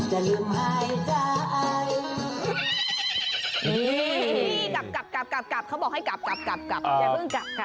เฮ้ห่ยเฮ้ขับเขาบอกให้กลับอย่าเพิ่งกลับ